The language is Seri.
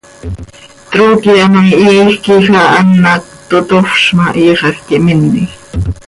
Trooqui ano hihiij quij ah an hac totofz ma, hiixaj quih minej.